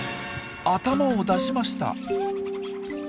頭を出しました。